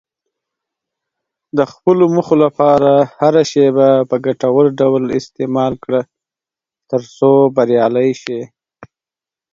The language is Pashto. د خپلو موخو لپاره هره شېبه په ګټور ډول استعمال کړه، ترڅو بریالی شې.